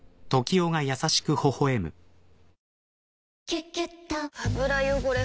「キュキュット」油汚れ